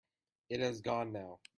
It has gone now.